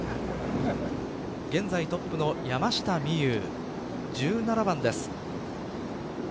現在トップの山下美夢有１７番です。